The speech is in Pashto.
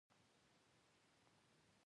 د بخارۍ استعمال د ځینو خلکو لپاره ضروري دی.